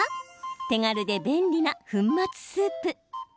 手軽で便利な粉末スープ。